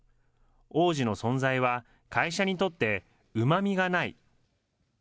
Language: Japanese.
王子の存在は会社にとってうまみがない。